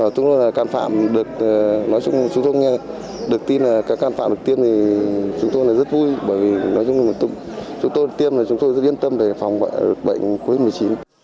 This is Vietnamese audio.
chúng tôi là can phạm được nói chung chúng tôi nghe được tin là các can phạm đầu tiên thì chúng tôi rất vui bởi vì nói chung là chúng tôi tiêm là chúng tôi rất yên tâm để phòng bệnh covid một mươi chín